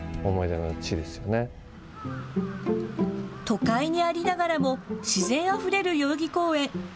都会にありながらも自然あふれる代々木公園。